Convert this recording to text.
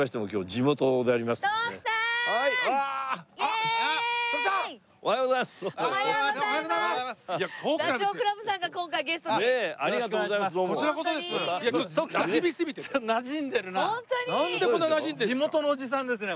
地元のおじさんですね